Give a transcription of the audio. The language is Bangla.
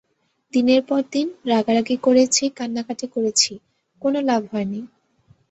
দিনের পর দিন রাগারাগি করেছি, কান্নাকাটি করেছি, কোনো লাভ হয়নি।